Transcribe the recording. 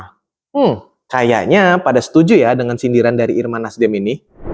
hmm kayaknya pada setuju ya dengan sindiran dari irman nasdem ini